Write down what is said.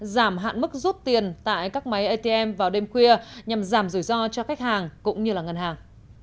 giảm hạn mức rút tiền tại các máy atm vào đêm khuya nhằm giảm rủi ro cho khách hàng cũng như ngân hàng